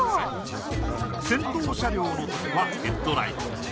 先頭車両のときはヘッドライト。